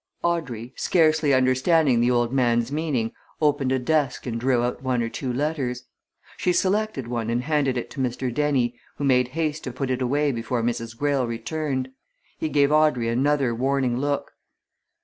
Audrey, scarcely understanding the old man's meaning, opened a desk and drew out one or two letters. She selected one and handed it to Mr. Dennie, who made haste to put it away before Mrs. Greyle returned. He gave Audrey another warning look.